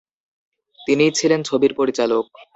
তিনিই ছিলেন ছবির পরিচালক।